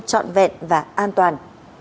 trọn vẹn và an toàn